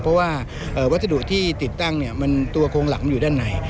เพราะว่าวัตถุที่ติดตั้งเนี่ยมันตัวโครงหลักมันอยู่ด้านไหน